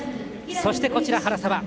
そして、原沢。